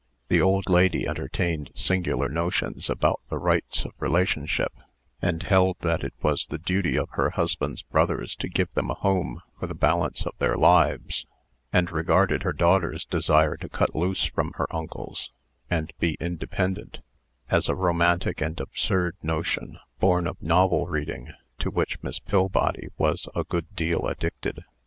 The old lady entertained singular notions about the rights of relationship, and held that it was the duty of her husband's brothers to give them a home for the balance of their lives, and regarded her daughter's desire to cut loose from her uncles, and be independent, as a romantic and absurd notion, born of novel reading, to which Miss Pillbody was a good deal addicted.